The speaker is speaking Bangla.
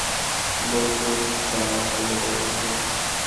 বন্ধু, জয়া কুমুদের বন্ধু।